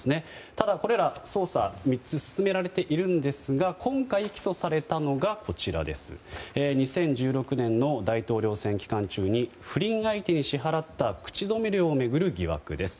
ただ、これら捜査３つ進められているのですが今回、起訴されたのが２０１６年の大統領選期間中に不倫相手に支払った口止め料を巡る疑惑です。